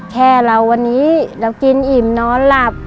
แค่เราวันนี้เรากินอิ่มนอนหลับ